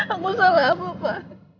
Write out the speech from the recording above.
aku salah apa pa